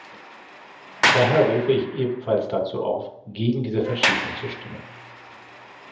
Daher rufe ich ebenfalls dazu auf, gegen diese Verschiebung zu stimmen.